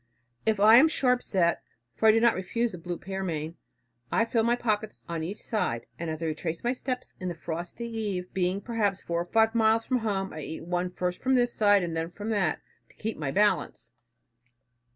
If I am sharp set, for I do not refuse the blue pearmain, I fill my pockets on each side; and as I retrace my steps, in the frosty eve being perhaps four or five miles from home, I eat one first from this side, and then from that, to keep my balance."